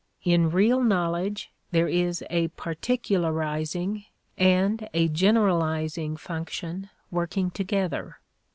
In real knowledge, there is a particularizing and a generalizing function working together.